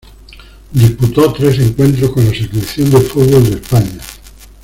Disputó tres encuentros con la Selección de fútbol de España.